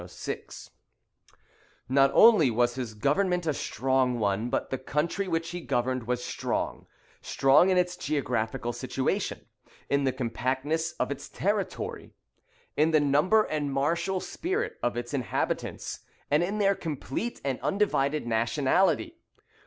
] Not only was his government a strong one, but the country which he governed was strong: strong in its geographical situation, in the compactness of its territory, in the number and martial spirit of its inhabitants, and in their complete and undivided nationality.